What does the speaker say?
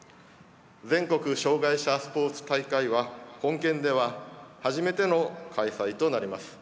全国障害者スポーツ大会は本県では初めての開催となります。